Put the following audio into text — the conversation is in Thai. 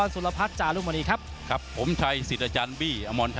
ส่วนน้ำเงิน